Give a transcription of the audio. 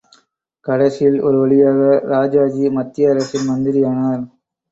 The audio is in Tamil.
கடைசியில் ஒரு வழியாக ராஜாஜி மத்திய அரசில் மந்திரியானார்.